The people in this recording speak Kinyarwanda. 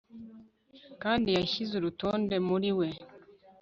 kandi yashyize urutonde muri we